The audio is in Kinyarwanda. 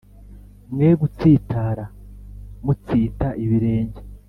Mwe gutsitara mutsita ibirenge